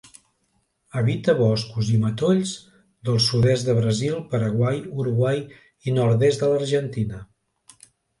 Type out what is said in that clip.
Habita boscos i matolls del sud-est de Brasil, Paraguai, Uruguai i nord-est de l'Argentina.